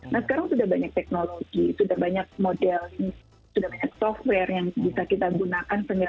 nah sekarang sudah banyak teknologi sudah banyak model sudah banyak software yang bisa kita gunakan